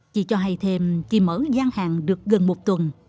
chị cho hay thêm chị mở gian hàng được gần một tuần